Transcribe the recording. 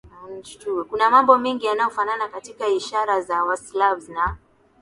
kuna mambo mengi yanayofanana katika ishara za Waslavs na